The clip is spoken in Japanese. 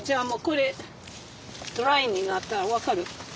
もうこれドライになったら分かる。